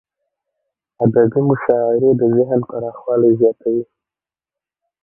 ادبي مشاعريد ذهن پراخوالی زیاتوي.